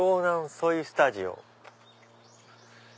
ソイスタジオ？